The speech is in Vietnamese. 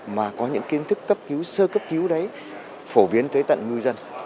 mà có những kiến thức cấp cứu sơ cấp cứu đấy phổ biến tới tận ngư dân